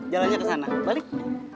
jalannya kesana balik